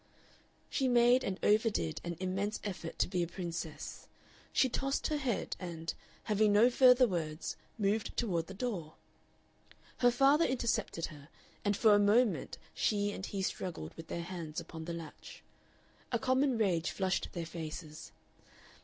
She made, and overdid, an immense effort to be a princess. She tossed her head, and, having no further words, moved toward the door. Her father intercepted her, and for a moment she and he struggled with their hands upon the latch. A common rage flushed their faces.